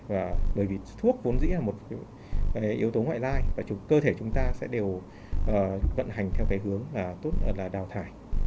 và bởi vì thuốc vốn dĩ là một yếu tố ngoại lai và cơ thể chúng ta sẽ đều vận hành theo cái hướng là tốt là đào thải